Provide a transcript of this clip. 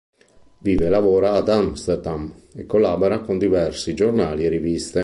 Vive e lavora ad Amsterdam e collabora con diversi giornali e riviste.